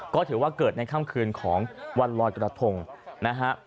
ก็ถือว่าเกิดในค่ำคืนของวันลอยกระทงนะฮะ